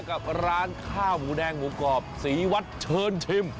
กับร้านข้าวหมูแดงหมูกรอบศรีวัดเชิญชิม